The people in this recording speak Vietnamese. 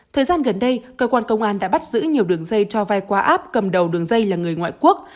thời gian gần đây cơ quan công an đã bắt giữ nhiều đường dây cho vay qua app cầm đầu đường dây là người ngoại quốc